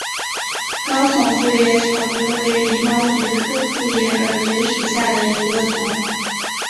高耸复叶耳蕨为鳞毛蕨科复叶耳蕨属下的一个种。